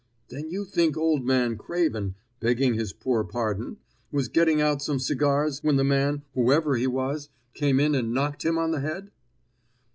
"Then you think old man Craven begging his poor pardon was getting out some cigars when the man, whoever he was, came in and knocked him on the head?"